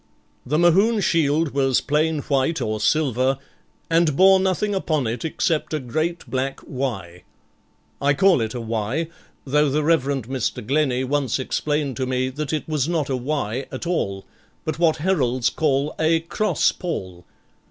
The Mohune shield was plain white or silver, and bore nothing upon it except a great black 'Y. I call it a 'Y', though the Reverend Mr. Glennie once explained to me that it was not a 'Y' at all, but what heralds call a _cross pall.